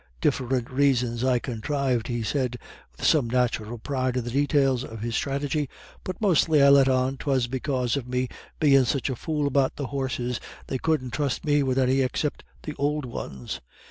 Diff'rint raisons I conthrived," he said, with some natural pride in the details of his strategy, "but mostly I let on 'twas because of me bein' such a fool about the horses they couldn't trust me wid any except the ould ones.